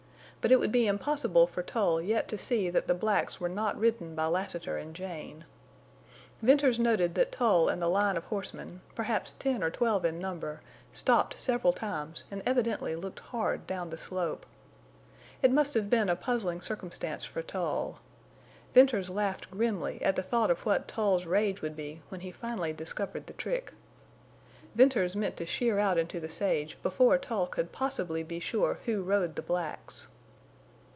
But it would be impossible for Tull yet to see that the blacks were not ridden by Lassiter and Jane. Venters noted that Tull and the line of horsemen, perhaps ten or twelve in number, stopped several times and evidently looked hard down the slope. It must have been a puzzling circumstance for Tull. Venters laughed grimly at the thought of what Tull's rage would be when he finally discovered the trick. Venters meant to sheer out into the sage before Tull could possibly be sure who rode the blacks.